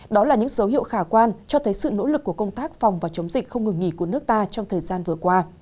đó là những dấu hiệu khả quan cho thấy sự nỗ lực của công tác phòng và chống dịch không ngừng nghỉ của nước ta trong thời gian vừa qua